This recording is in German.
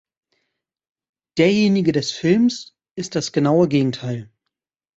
Derjenige des Films ist das genaue Gegenteil.